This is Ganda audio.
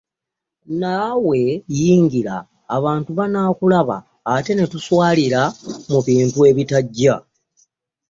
Naawe yingira abantu banakulaba ate netuswalira mu bintu ebitajja.